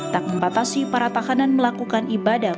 tak membatasi para tahanan melakukan ibadah